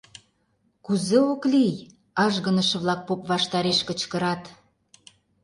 — Кузе ок лий?! — ажгыныше-влак поп ваштареш кычкырат.